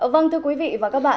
vâng thưa quý vị và các bạn